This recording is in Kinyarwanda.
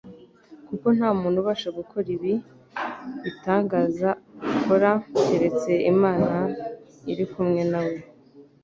kuko nta muntu ubasha gukora ibi bitangaza ukora, keretse Imana iri kumwe na we.